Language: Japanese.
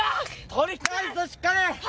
・取り返すぞしっかり！